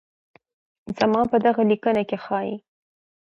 زما په دغه ليکنه کې ښايي